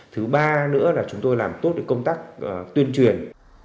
thứ ba nữa là chúng tôi làm tốt công tác tuyên truyền